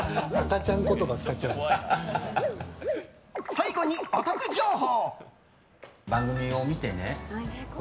最後に、お得情報！